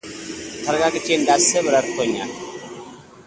ተረጋግቼ እንዳስብ ረድቶኛል።